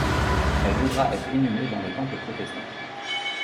Elle voudra être inhumée dans le temple protestant.